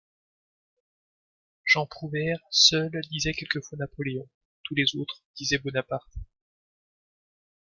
Jean Prouvaire seul disait quelquefois Napoléon ; tous les autres disaient Bonaparte.